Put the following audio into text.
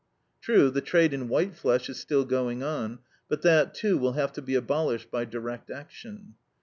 True, the trade in white flesh is still going on; but that, too, will have to be abolished by direct action.